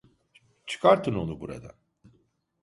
Çıkartın onu buradan.